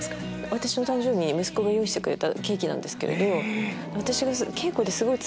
私の誕生日に息子が用意してくれたケーキなんです。